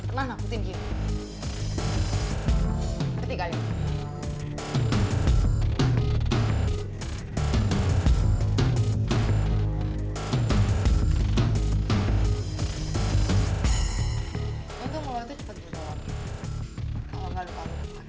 kalau enggak lupa luar para